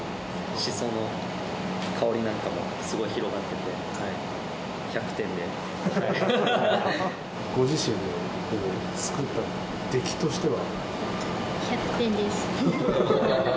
しその香りなんかもすごい広がっててご自身でほぼ作った出来としては？